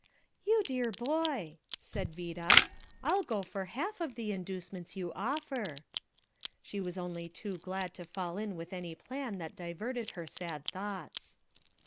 "You dear boy," said Vida, "I'll go for half of the inducements you offer." She was only too glad to fall in with any plan that diverted her sad thoughts.